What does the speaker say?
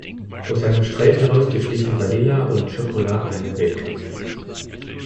Aus einem Streit heraus beschließen Vanilla und Chocolat einen Wettkampf.